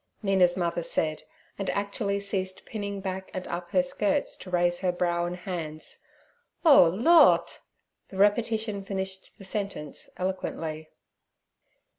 Mina's mother said, and actually ceased pinning back and up her skirts to raise her brow and hands. 'Oh, Lordt!' The repetition finished the sentence eloquently.